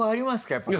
やっぱり。